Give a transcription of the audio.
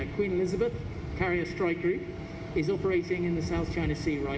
queen elizabeth carrier strike group beroperasi di laut china tengah sekarang